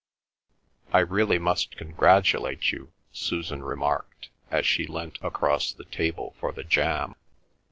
"I really must congratulate you," Susan remarked, as she leant across the table for the jam.